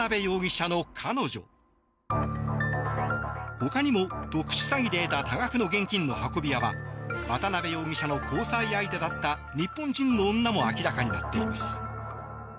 ほかにも特殊詐欺で得た多額の現金の運び屋は渡邉容疑者の交際相手だった日本人の女も明らかになっています。